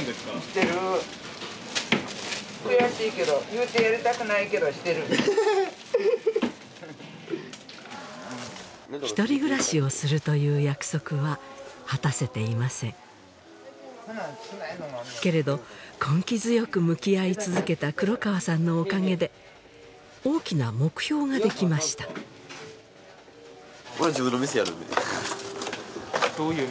してる悔しいけど言うてやりたくないけどしてる１人暮らしをするという約束は果たせていませんけれど根気強く向き合い続けた黒川さんのおかげで大きな目標ができましたどういう店をやりたいの？